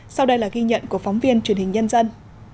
sau đây là ghi nhận của phóng viên truyền hình nhân dân